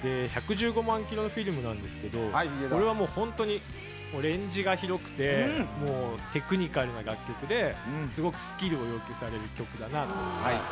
『１１５万キロのフィルム』なんですけどこれは本当にレンジが広くてテクニカルな楽曲ですごくスキルを要求される曲だなと。